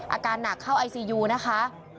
อาการหนักเข้าไอซียูนะคะ